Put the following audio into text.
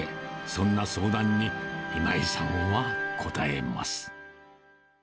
そんな相談に、今井さんは応えます。